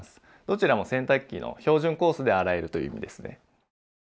どちらも洗濯機の標準コースで洗えるという意味ですね。